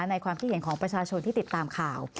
ความคิดเห็นของประชาชนที่ติดตามข่าว